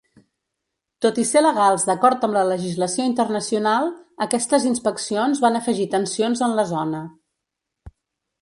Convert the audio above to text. Tot i ser legals d'acord amb la legislació internacional, aquestes inspeccions van afegir tensions en la zona.